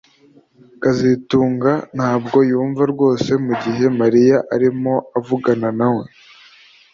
kazitunga ntabwo yumva rwose mugihe Mariya arimo avugana nawe